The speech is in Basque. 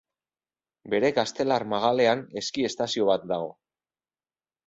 Bere gaztelar magalean eski-estazio bat dago.